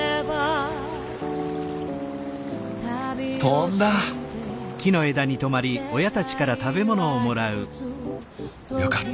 飛んだ！よかった。